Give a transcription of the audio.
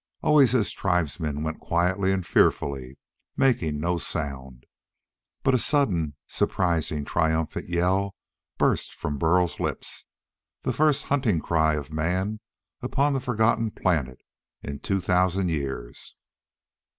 Always his tribesmen went quietly and fearfully, making no sound. But a sudden, surprising, triumphant yell burst from Burl's lips the first hunting cry of man upon the forgotten planet in two thousand years.